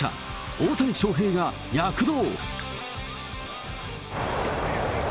大谷翔平が躍動。